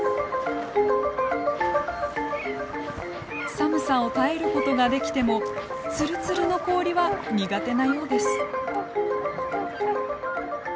寒さを耐えることができてもツルツルの氷は苦手なようです。